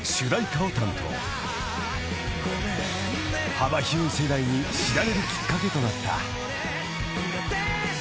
［幅広い世代に知られるきっかけとなった］